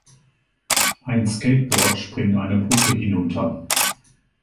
Ein Skateboard springt eine Brücke hinunter